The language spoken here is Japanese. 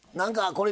これ。